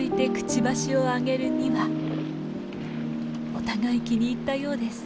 お互い気に入ったようです。